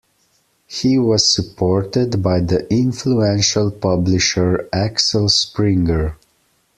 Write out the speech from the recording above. He was supported by the influential publisher Axel Springer.